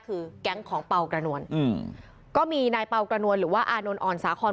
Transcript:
ก็เลยไปตรวจสอบดูเราไปตรวจสอบมาค่ะ